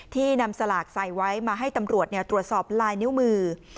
ที่นำสลากใส่ไว้มาให้ตำรวจตรวจสอบลายนิ้วมือ